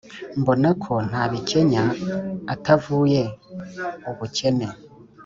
mbona ko nta bikenya atavuye ubukene,